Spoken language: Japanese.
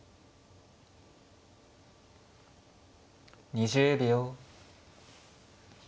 ２０秒。